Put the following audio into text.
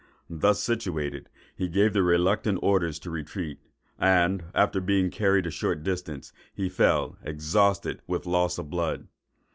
Thus situated, he gave reluctant orders for retreat; and after being carried a short distance, he fell, exhausted with loss of blood.